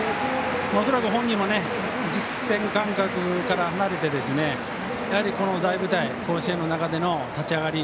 恐らく本人も実戦感覚から離れてこの大舞台甲子園の中での立ち上がり。